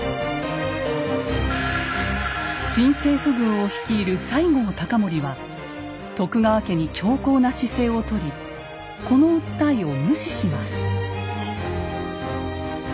新政府軍を率いる西郷隆盛は徳川家に強硬な姿勢をとりこの訴えを無視します。